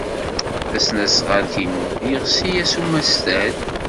Tasnasɣalt-inu yeɣsi-as umastal.